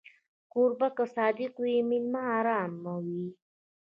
کوربه که صادق وي، مېلمه ارام وي.